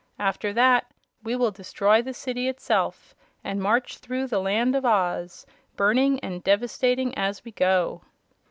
After that we will destroy the city itself and march through the Land of Oz, burning and devastating as we go."